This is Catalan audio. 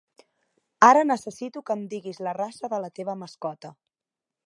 Ara necessito que em diguis la raça de la teva mascota.